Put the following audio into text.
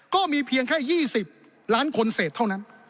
ก็มีเพียงแค่๒๐ล้านคนเศษเท่านั้น